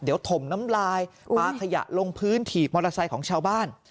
เดี๋ยวถมน้ำลายปลาขยะลงพื้นถีบมอเตอร์ไซค์ของชาวบ้าน